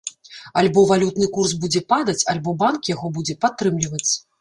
Альбо валютны курс будзе падаць, альбо банк яго будзе падтрымліваць.